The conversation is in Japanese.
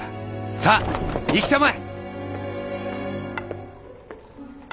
さぁ行きたまえ！